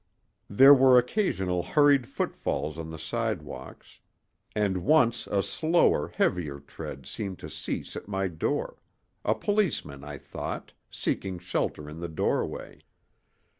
There were occasional hurried footfalls on the sidewalks; and once a slower, heavier tread seemed to cease at my door—a policeman, I thought, seeking shelter in the doorway.